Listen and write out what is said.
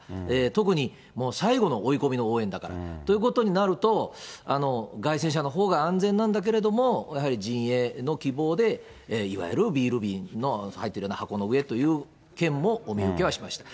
特にもう最後の追い込みの応援だからということになると、街宣車のほうが安全なんだけれども、やはり陣営の希望でいわゆるビール瓶の入ってるような箱の上という県もお見受けはしました。